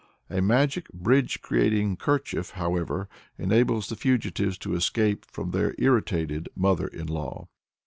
A magic, bridge creating kerchief, however, enables the fugitives to escape from their irritated mother in law.